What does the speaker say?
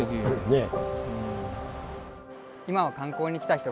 ねえ。